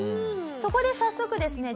そこで早速ですね